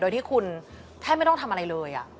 โดยที่คุณแทบไม่ต้องทำอะไรเลย